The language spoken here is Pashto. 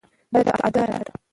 دا د تعادل لاره ده.